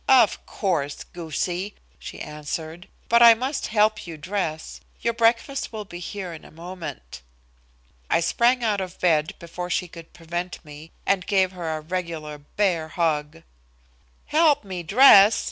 "Of course, goosie," she answered. "But I must help you dress. Your breakfast will be here in a moment." I sprang out of bed before she could prevent me, and gave her a regular "bear hug." "Help me dress!"